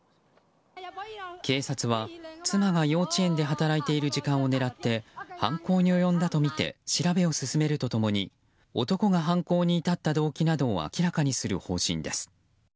警察は、妻が幼稚園で働いている時間を狙って犯行に及んだとみて調べを進めると共に男が犯行に至った動機などを明らかにする方針です。